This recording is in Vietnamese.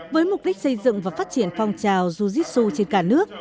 với mục đích xây dựng và phát triển phong trào ju jitsu trên cả nước